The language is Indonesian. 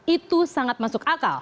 itu sangat masuk akal